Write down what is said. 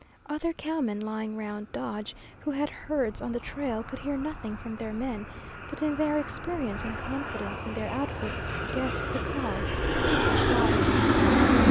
Other cowmen lying around Dodge, who had herds on the trail, could hear nothing from their men, but in their experience and confidence in their outfits guessed the cause it was water.